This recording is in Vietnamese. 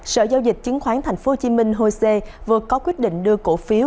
sở giao dịch chiến khoán thành phố hồ chí minh hồ dê vừa có quyết định đưa cổ phiếu